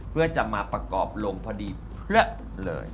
เพื่อจะมาประกอบลงพอดีเละเลย